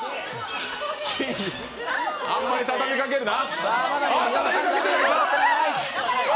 あんまり、たたみかけるな。